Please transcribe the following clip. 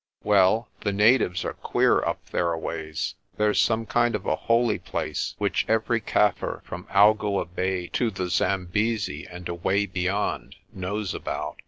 "Well, the natives are queer up thereaways. There's some kind of a holy place which every Kaffir from Algoa Bay to the Zambesi and away beyond knows about.